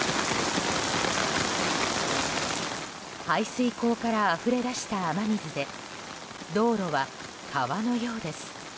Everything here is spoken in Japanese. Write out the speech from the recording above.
排水溝からあふれ出した雨水で道路は川のようです。